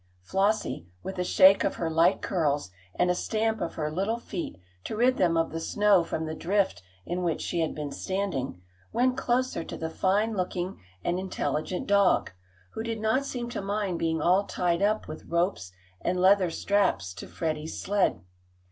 Flossie, with a shake of her light curls, and a stamp of her little feet to rid them of the snow from the drift in which she had been standing, went closer to the fine looking and intelligent dog, who did not seem to mind being all tied up with ropes and leather straps to Freddie's sled.